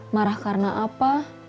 marah karena apa